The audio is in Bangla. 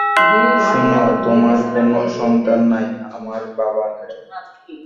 শুনো, তোমার কোনো সন্তান নাই, আমার বাবা নাই।